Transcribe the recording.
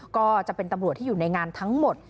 ก็จะเป็นตำรวจที่อยู่ในงานทั้งหมด